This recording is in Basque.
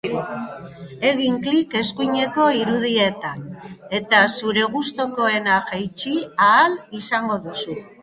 Egin klik eskuineko irudietan eta zure gustukoena jaitsi ahal izango duzu!